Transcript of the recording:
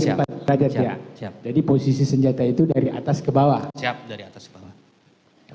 siap derajat siap siap jadi posisi senjata itu dari atas ke bawah siap dari atas bawah